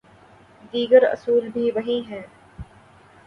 دیگر اصول بھی وہی ہیں۔